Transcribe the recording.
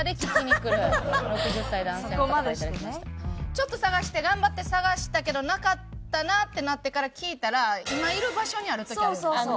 ちょっと探して頑張って探したけどなかったなってなってから聞いたら今いる場所にある時あるよね